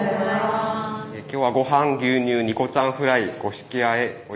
今日はごはん牛乳ニコちゃんフライ五色あえ。